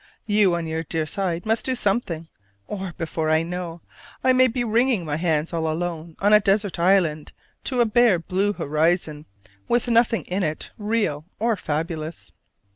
You on your dear side must do something: or, before I know, I may be wringing my hands all alone on a desert island to a bare blue horizon, with nothing in it real or fabulous.